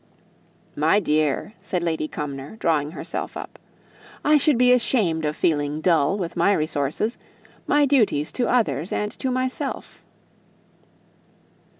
"My dear," said Lady Cumnor, drawing herself up, "I should be ashamed of feeling dull with my resources; my duties to others and to myself!"